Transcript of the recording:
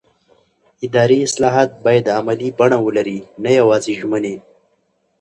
اداري اصلاحات باید عملي بڼه ولري نه یوازې ژمنې